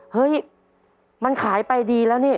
เฮ้ยมันขายไปดีแล้วนี่